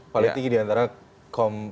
paling tinggi diantara komponen